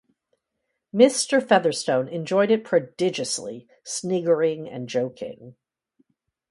Mr. Featherstone enjoyed it prodigiously, sniggering & joking.